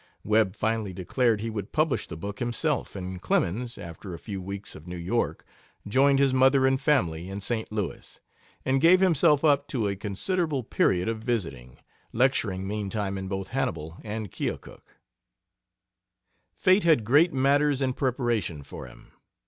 Webb finally declared he would publish the book himself, and Clemens, after a few weeks of New York, joined his mother and family in St. Louis and gave himself up to a considerable period of visiting, lecturing meantime in both Hannibal and Keokuk. Fate had great matters in preparation for him.